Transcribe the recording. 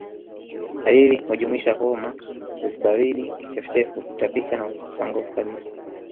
Dalili hujumuisha homa kuhisi baridi kichefuchefu Kutapika na kukosa nguvu kabisa